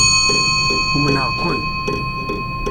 Umneɣ-ken.